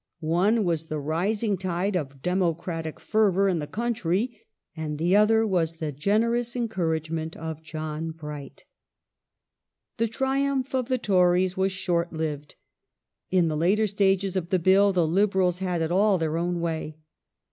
One was the rising tide of democratic fervour in the country and the other was the generous encouragement of John Bright.^ The later The triumph of the Tories was short lived. In the later stages ^h^^Ri?^ of the Bill the Liberals had it all their own way.